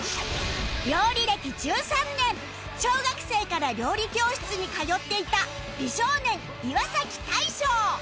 料理歴１３年小学生から料理教室に通っていた美少年岩大昇